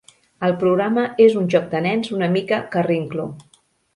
El programa és un joc de nens una mica carrincló.